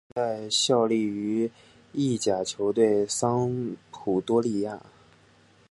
他现在效力于意甲球队桑普多利亚。